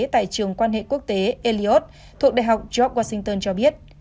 tại trường quan hệ quốc tế elliot thuộc đại học job washington cho biết